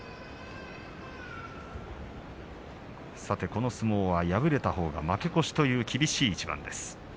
この一番は、敗れたほうが負け越しという厳しい一番です。